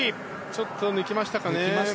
ちょっと抜きましたかね。